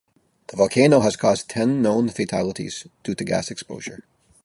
The volcano has caused ten known fatalities due to gas exposure.